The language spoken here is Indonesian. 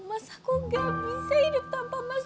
mas aku gak bisa hidup tanpa masalah